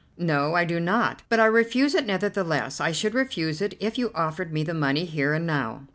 "No, I do not, but I refuse it nevertheless. I should refuse it if you offered me the money here and now."